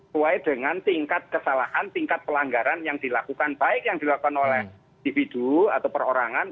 sesuai dengan tingkat kesalahan tingkat pelanggaran yang dilakukan baik yang dilakukan oleh individu atau perorangan